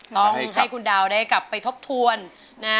ต้องให้คุณดาวได้กลับไปทบทวนนะ